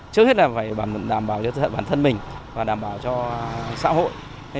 trước hết là phải đảm bảo cho bản thân mình và đảm bảo cho xã hội